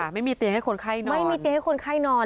ไม่มีเตียงให้คนไข้นอน